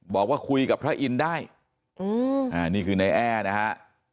บอกว่าคุยกับพระอินทร์ได้นี่คือในแอ้นะฮะ